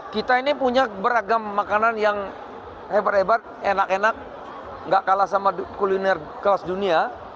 kita ini punya beragam makanan yang hebat hebat enak enak gak kalah sama kuliner kelas dunia